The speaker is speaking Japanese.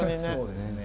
そうですね。